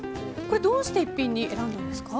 どうして逸品に選んだんですか？